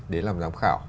đến làm giám khảo